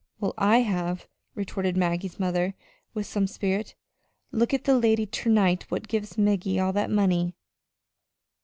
"Well, I have," retorted Maggie's mother with some spirit. "Look at that lady ter night what give Maggie all that money."